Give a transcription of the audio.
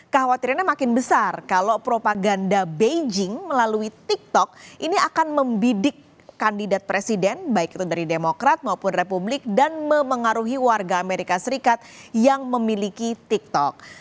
kekhawatirannya makin besar kalau propaganda beijing melalui tiktok ini akan membidik kandidat presiden baik itu dari demokrat maupun republik dan memengaruhi warga amerika serikat yang memiliki tiktok